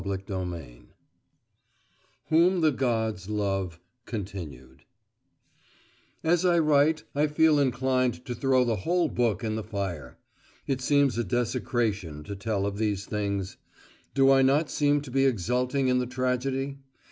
CHAPTER XI "WHOM THE GODS LOVE" (continued) As I write I feel inclined to throw the whole book in the fire. It seems a desecration to tell of these things. Do I not seem to be exulting in the tragedy?